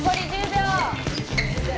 １０秒！